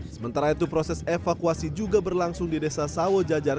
sementara itu proses evakuasi juga berlangsung di desa sawo jajar